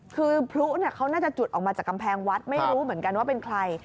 คือพลุเขาน่าจะจุดออกมาจากกำแพงวัดไม่รู้เหมือนกันว่าเป็นใคร